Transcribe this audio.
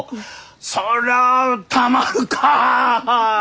そりゃあたまるかあ！